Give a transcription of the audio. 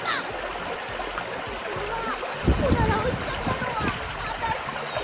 こころのこえほんとうはオナラをしちゃったのはあたし！